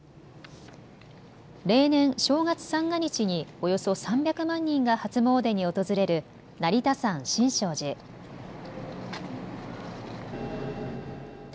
例年、正月三が日におよそ３００万人が初詣に訪れる成田山新勝寺。